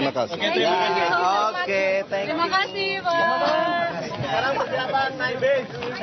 tentang berapa banyak sampel yang dilakukan